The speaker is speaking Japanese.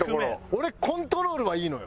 俺コントロールはいいのよ。